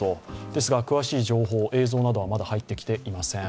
ですが詳しい情報、映像などはまだ入ってきていません。